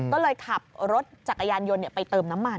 ก็เลยขับรถจักรยานยนต์ไปเติมน้ำมัน